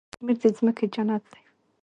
کشمیر د ځمکې جنت دی.